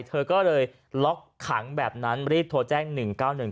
เธอก็เลยล็อกขังแบบนั้นรีบโทรแจ้ง๑๙๑